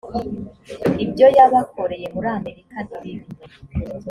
ibyo yabakoreye muri amerika nibibi